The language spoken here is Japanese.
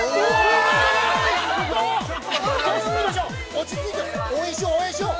◆落ちついて、応援しよう、応援しよう。